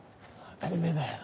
当たりめぇだよ。